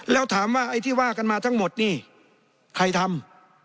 แล้วถามว่าไอ้ที่ว่ากันมาทั้งหมดนี่ใครทำ